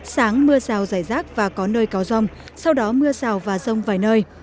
sáng mưa rào dài rác và có nơi cao rông sau đó mưa rào và rông vài nơi